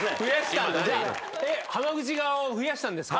濱口側を増やしたんですか？